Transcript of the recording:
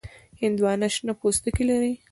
هندوانه شنه پوستکی لري.